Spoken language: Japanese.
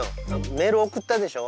メール送ったでしょ？